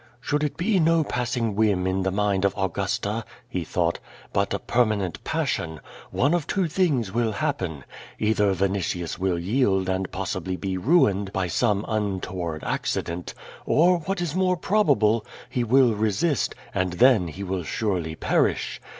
'•Should it be no passing whim in the mind of Augusta," lie thought, ''but a jiermanent ]>assion, one of two tbings will happen. Kither Vinitius will yield and possibly be ruined by some untoward accident, or, what is more probable, he will 248 Q^'O VADIS, resist, and then lie will surely perish.